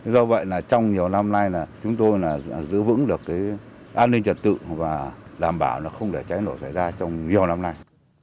do vậy trong nhiều năm nay chúng tôi giữ vững được an ninh trật tự và đảm bảo không để trái nổ xảy ra trong nhiều năm nay